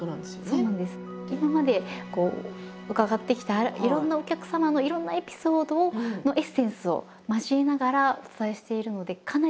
今まで伺ってきたいろんなお客様のいろんなエピソードのエッセンスを交えながらお伝えしているのでかなりリアル。